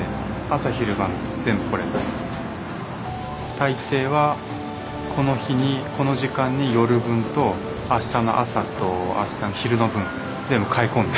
大抵はこの日にこの時間に夜分と明日の朝と昼の分全部買い込んで。